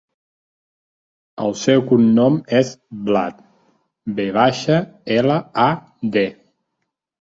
El seu cognom és Vlad: ve baixa, ela, a, de.